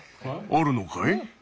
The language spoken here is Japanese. あるのかい？